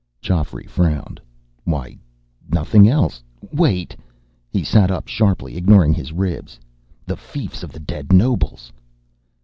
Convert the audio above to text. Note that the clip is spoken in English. Geoffrey frowned. "Why nothing else. Wait!" He sat up sharply, ignoring his ribs. "The fiefs of the dead nobles."